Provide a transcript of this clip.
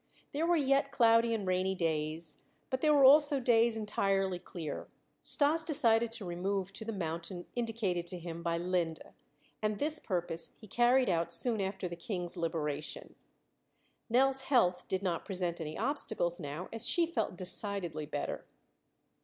There were yet cloudy and rainy days, but there were also days entirely clear. Stas decided to remove to the mountain indicated to him by Linde, and this purpose he carried out soon after the King's liberation. Nell's health did not present any obstacles now, as she felt decidedly better.